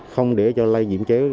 không để cho lai nhiễm chéo